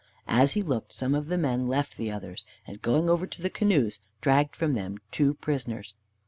As he looked, some of the men left the others, and going over to the canoes dragged from' them two prisoners.